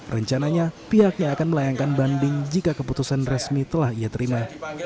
rencananya pihaknya akan melayangkan banding jika keputusan resmi telah ia terima